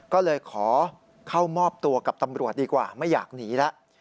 ก็เลยขอเข้ามอบตัวกับตำรวจดีกว่าไม่อยากหนีแล้ว